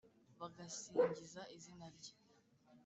Bagasingiza izina rye